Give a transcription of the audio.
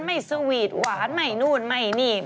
สวีทหวานไม่นู่นไม่นี่